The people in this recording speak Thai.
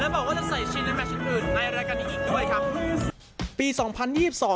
และบอกว่าจะใส่ชิ้นในแม็กซ์ชิ้นอื่นในรายการนี้อีกด้วยครับ